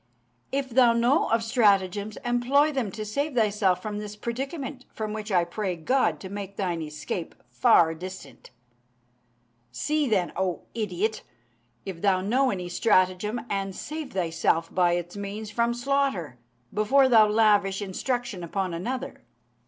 If thou know of stratagems, employ them to save thyself from this predicament from which I pray God to make thine escape far distant. See, then, O idiot! if thou know any stratagem, and save thyself by its means from slaughter, before thou lavish instruction upon another.